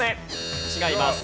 違います。